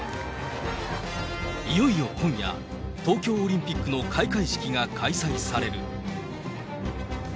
いよいよ今夜、東京オリンピックの開会式が開催される。